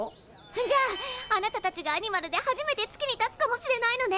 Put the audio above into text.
じゃああなたたちがアニマルで初めて月に立つかもしれないのね！